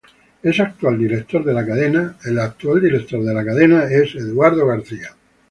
El actual director de la cadena es Eduardo García.